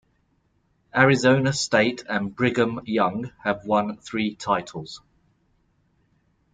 Arizona State and Brigham Young have won three titles.